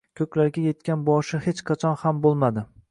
Ko‘klarga yetgan boshi hech qachon xam bo‘lmadi